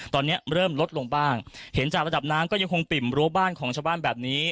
ตอนนี้เริ่มลดลงบ้างเห็นจากระดับน้ำก็ยังคงปิ่มรั้วบ้านของชาวบ้านแบบนี้